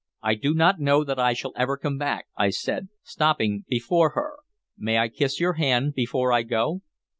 "I do not know that I shall ever come back," I said, stopping before her. "May I kiss your hand before I go?"